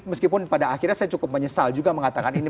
meskipun pada akhirnya saya cukup menyesal juga mengatakan ini